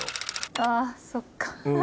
あっそっか。